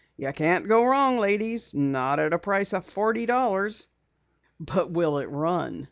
You can't go wrong, ladies, not at a price of forty dollars." "But will it run?"